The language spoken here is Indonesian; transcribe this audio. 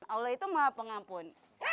allah itu maha pengampun